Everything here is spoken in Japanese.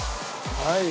はい！